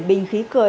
bình khí cười